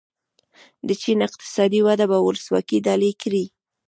د چین اقتصادي وده به ولسواکي ډالۍ کړي.